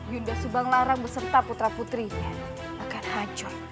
yunda subanglarang beserta putra putrinya akan hancur